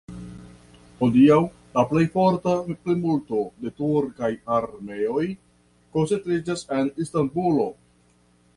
Hodiaŭ la plej forta plimulto de turkaj armenoj koncentriĝas en Istanbulo.